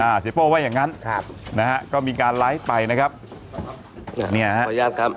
เสียโป้ว่าอย่างงั้นครับนะฮะก็มีการไลฟ์ไปนะครับเนี่ยฮะขออนุญาตครับ